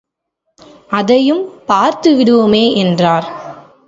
அதையும் பார்த்து விடுவோமே என்றார்.